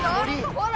ほら！